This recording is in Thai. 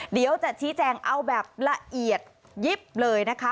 เดี๋ยวจะชี้แจงเอาแบบละเอียดยิบเลยนะคะ